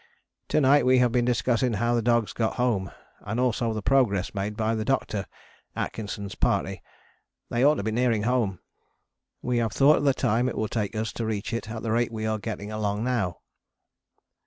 To night we have been discussing how the dogs got home, and also the progress made by the Doctor's [Atkinson] Party. They ought to be nearing home. We have thought of the time it will take us to reach it at the rate we are getting along now.